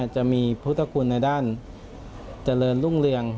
จะมีพุทธคุณในด้านเจริญรุ่งเรือง